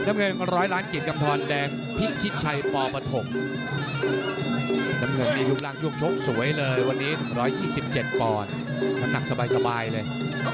อังเกงร้อยร้านกิจกำทรแดงพี่ชิดชัยปปฐกน้ำเงินนี่รูปร่างช่วงโชคสวยเลยวันนี้๑๒๗ปทำหนักสบายเลย